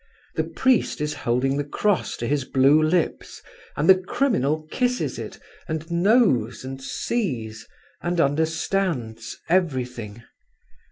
The priest is holding the cross to his blue lips, and the criminal kisses it, and knows and sees and understands everything.